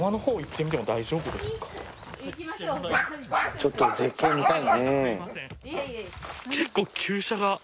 ちょっと絶景見たい。